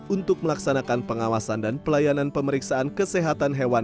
untuk melaksanakan pengawasan dan pelayanan pemeriksaan kesehatan hewan